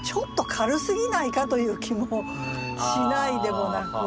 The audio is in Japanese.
軽すぎないか？という気もしないでもなく。